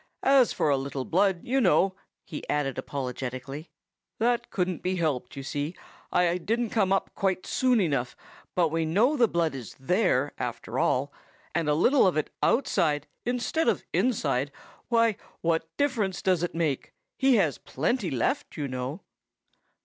As for a little blood, you know," he added apologetically, "that couldn't be helped, you see. I didn't come up quite soon enough; but we know the blood is there, after all; and a little of it outside instead of inside,—why, what difference does it make? He has plenty left, you know."